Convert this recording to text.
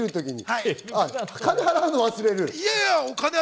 金、払うの忘れる。